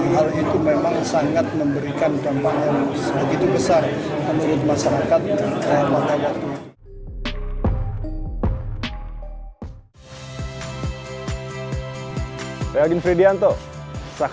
hal itu memang sangat memberikan dampak yang sederhana